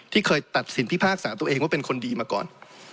เคยตัดสินพิพากษาตัวเองว่าเป็นคนดีมาก่อน